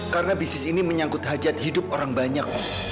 karena bisnis ini menyangkut hajat hidup orang banyak bu